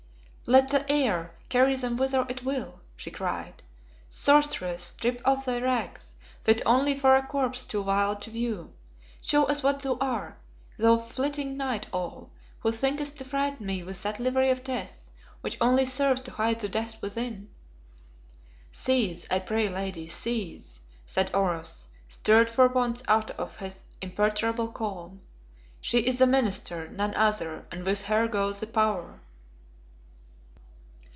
"Let the air carry them whither it will," she cried. "Sorceress, strip off thy rags, fit only for a corpse too vile to view. Show us what thou art, thou flitting night owl, who thinkest to frighten me with that livery of death, which only serves to hide the death within." "Cease, I pray lady, cease," said Oros, stirred for once out of his imperturbable calm. "She is the Minister, none other, and with her goes the Power."